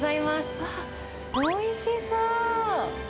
うわー、おいしそう。